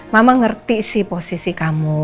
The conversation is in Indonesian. mama ngerti sih posisi kamu